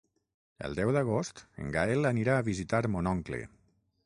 El deu d'agost en Gaël anirà a visitar mon oncle.